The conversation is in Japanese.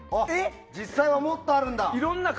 実際はもっとあるんだ。